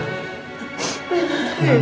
mas randy tega